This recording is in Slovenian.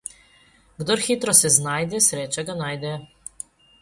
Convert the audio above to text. Kdor hitro se znajde, sreča ga najde.